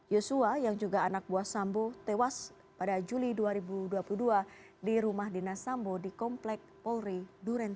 yosua yang juga anak buah sambo tewas pada juli dua ribu dua puluh dua di rumah dinas sambo di komplek polri duren tiga